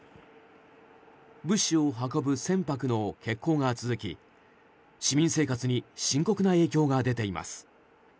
物資を運ぶ船舶の欠航が続き市民生活に深刻な影響が出ています。